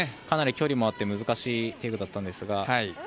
かなり距離もあって難しいテイクだったんですが。